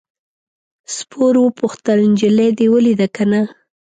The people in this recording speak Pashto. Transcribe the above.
سپور وپوښتل نجلۍ دې ولیده که نه.